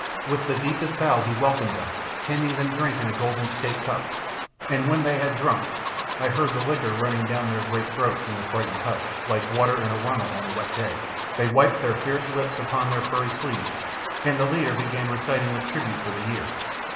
With the deepest bows he welcomed them, handing them drink in a golden State cup, and when they had drunk (I heard the liquor running down their great throats, in the frightened hush, like water in a runnel on a wet day), they wiped their fierce lips upon their furry sleeves, and the leader began reciting the tribute for the year.